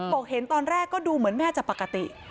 เห็นตอนแรกก็ดูเหมือนแม่จะปกติ